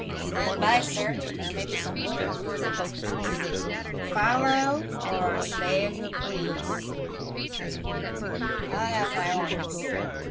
*' Stand by, sir; there may be some bloomin' roose in this business." "Follow or stay as you please," said the mate; "I have my orders."